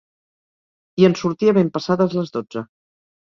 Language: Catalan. I en sortia ben passades les dotze.